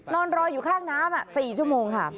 นอนรออยู่ข้างน้ำ๔ชั่วโมงค่ะ